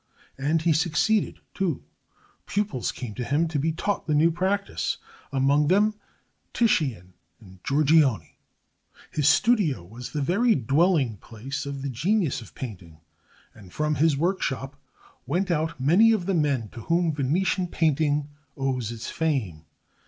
And he succeeded too. Pupils came to him to be taught the new practice; among them Titian and Giorgione. His studio was the very dwelling place of the Genius of Painting, and from his workshop went out many of the men to whom Venetian painting owes its fame.